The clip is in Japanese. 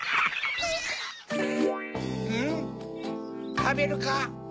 たべるか？